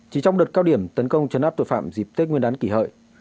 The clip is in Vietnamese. chỉ trong đợt cao điểm tấn công chấn áp tội phạm dịp tết nguyên đán kỷ hợi